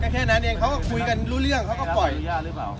เขาก็คุยกันรู้เรื่องเขาก็ปล่อย